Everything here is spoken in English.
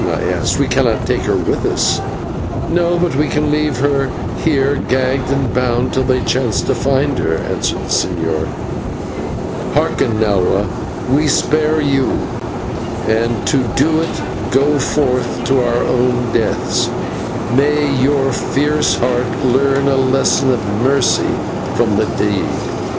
I asked. "We cannot take her with us." "No; but we can leave her here gagged and bound till they chance to find her," answered the señor. "Hearken, Nahua, we spare you, and to do it go forth to our own deaths. May your fierce heart learn a lesson of mercy from the deed.